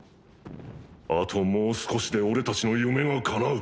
あともう少しで俺たちの夢が叶う。